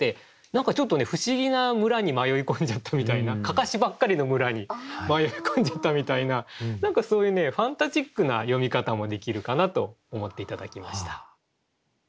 何かちょっと不思議な村に迷い込んじゃったみたいな案山子ばっかりの村に迷い込んじゃったみたいな何かそういうファンタジックな読み方もできるかなと思って頂きました。